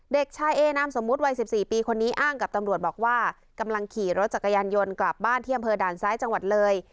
เด็กชายเอนามสมมุติวัย๑๔ปีคนนี้อ้างกับตำรวจบอกว่ากำลังขี่รถจักรยานยนต์กลับบ้านที่อำเภอด่านซ้ายจังหวัดเลย